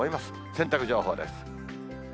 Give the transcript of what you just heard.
洗濯情報です。